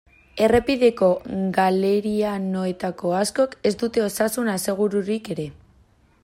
Errepideko galerianoetako askok ez dute osasun asegururik ere.